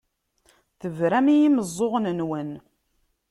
Tebram i yimeẓẓuɣen-nwen.